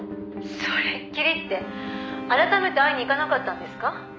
「それきりって改めて会いに行かなかったんですか？」